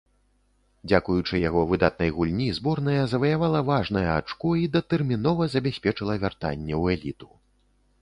Дзякуючы яго выдатнай гульні, зборная заваявала важнае ачко і датэрмінова забяспечыла вяртанне ў эліту.